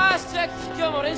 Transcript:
今日も練習だ！